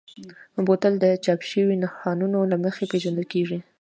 بوتل د چاپ شویو نښانونو له مخې پېژندل کېږي.